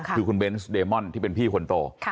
คือคุณเบนส์เดมอนที่เป็นพี่คนโต